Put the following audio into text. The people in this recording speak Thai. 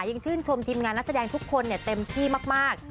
ยังชื่นชมทีมงานนักแสดงทุกคนเต็มที่มาก